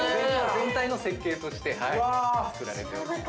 ◆全体の設計として、はい、作られております。